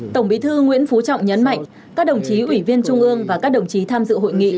tổng bí thư nguyễn phú trọng nhấn mạnh các đồng chí ủy viên trung ương và các đồng chí tham dự hội nghị